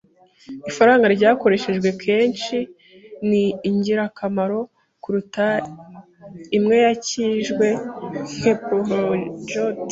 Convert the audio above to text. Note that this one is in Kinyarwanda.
Ifaranga ryakoreshejwe akenshi ni ingirakamaro kuruta imwe yakijijwe. (inkedpolyglot)